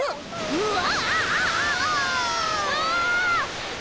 うわ。